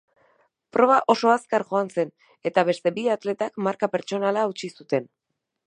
Proba oso azkar joan zen eta beste bi atletak marka pertsonala hautsi zuten.